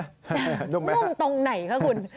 ทุ่มตรงไหนคะคุณ